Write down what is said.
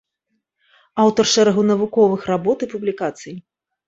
Аўтар шэрагу навуковых работ і публікацый.